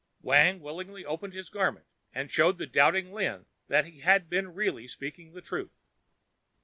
Wang willingly opened his garment and showed the doubting Lin that he had been really speaking the truth.